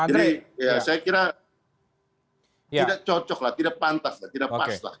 jadi saya kira tidak cocok lah tidak pantas lah tidak pas lah